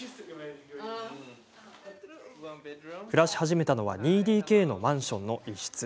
暮らし始めたのは２ＤＫのマンションの一室。